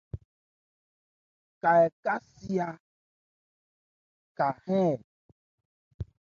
Ka Aká nca si a ka e ?